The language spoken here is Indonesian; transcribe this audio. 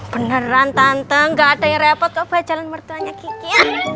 beneran tanteng gak ada yang repot kok bacaan mertuanya gigi